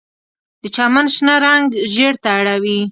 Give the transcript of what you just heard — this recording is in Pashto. د چمن شنه رنګ ژیړ ته اړوي